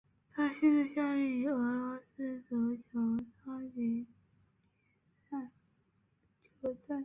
他现在效力于俄罗斯足球超级联赛球队摩度维亚萨兰斯克足球会。